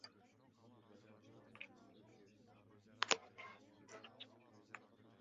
Мораторий менен биз эч нерсе чечпейбиз.